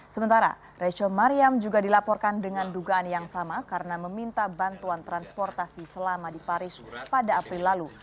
sementara rachel mariam juga dilaporkan dengan dugaan yang sama karena meminta bantuan transportasi selama di paris pada april lalu